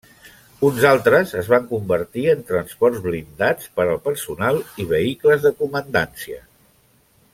Uns altres es van convertir en transports blindats per al personal i vehicles de comandància.